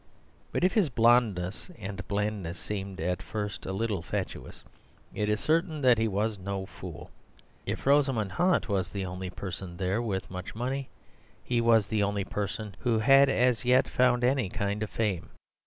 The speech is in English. But if his blondness and blandness seemed at first a little fatuous, it is certain that he was no fool. If Rosamund Hunt was the only person there with much money, he was the only person who had as yet found any kind of fame.